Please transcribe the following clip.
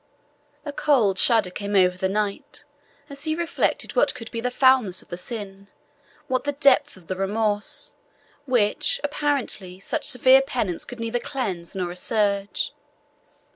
A cold shudder came over the knight as he reflected what could be the foulness of the sin, what the depth of the remorse, which, apparently, such severe penance could neither cleanse nor assuage.